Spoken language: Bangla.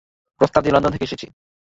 প্রস্তাবটি লন্ডন থেকে এসেছে।